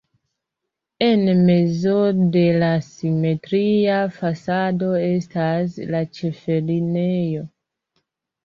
En mezo de la simetria fasado estas la ĉefenirejo.